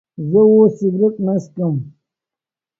زه اوس سيګرټ نه سکم